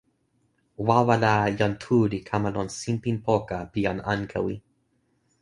wawa la, jan Tu li kama lon sinpin poka pi jan Ankewi.